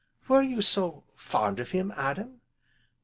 "Were you so fond of him, Adam?"